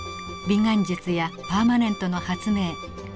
美顔術やパーマネントの発明。